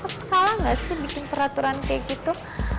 aku salah gak sih bikin peraturan kayak gitu